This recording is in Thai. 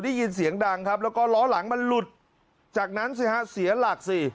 ได้ยินเสียงดังครับแล้วก็ล้อหลังมันหลุดจากนั้นสิฮะเสียหลักสิ